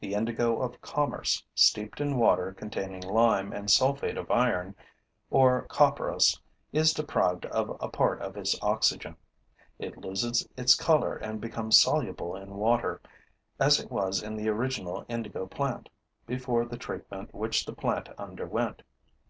The indigo of commerce, steeped in water containing lime and sulfate of iron, or copperas, is deprived of a part of its oxygen; it loses its color and becomes soluble in water, as it was in the original indigo plant, before the treatment which the plant underwent.